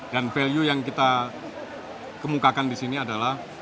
dan value yang kita kemukakan disini adalah